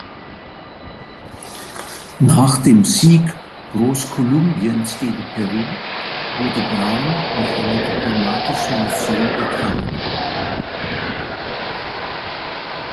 Nach dem Sieg Großkolumbiens gegen Peru wurde Braun mit einer diplomatischen Mission betraut.